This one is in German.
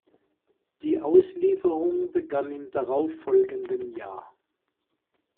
Die Auslieferung begann im darauffolgenden Jahr.